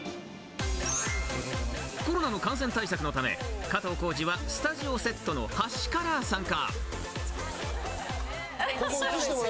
コロナの感染対策のため、加藤浩次はスタジオセットの端から参加。